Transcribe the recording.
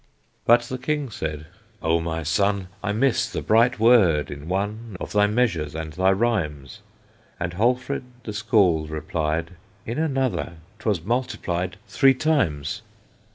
But the King said, "O my son, I miss the bright word in one Of thy measures and thy rhymes." And Halfred the Scald replied, "In another 'twas multiplied Three times."